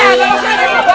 tidak ada apa apa